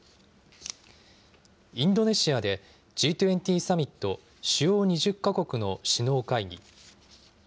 インドネシアでＧ２０サミット・主要２０か国の首脳会議。